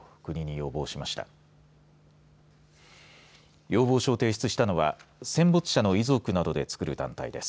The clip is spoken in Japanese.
要望書を提出したのは戦没者の遺骨などでつくる団体です。